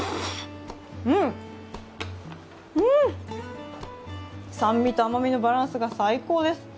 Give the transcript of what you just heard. うん、酸味と甘みのバランスが最高です。